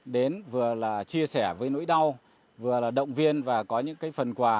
đến vừa là chia sẻ với nỗi đau vừa là động viên và có những phần quà